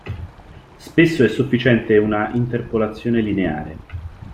Spesso è sufficiente una interpolazione lineare.